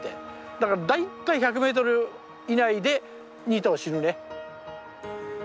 だから大体１００メートル以内で２頭死ぬね。